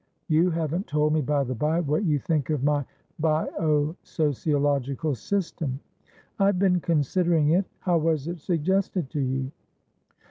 You haven't told me, by the bye, what you think of my bio sociological system." "I've been considering it. How was it suggested to you?"